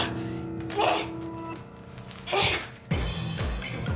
ねえ！